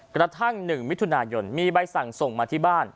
กระทั่ง๑มิถุนายนมีใบสั่งส่งมาที่บ้าน